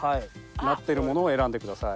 なっているものを選んでください。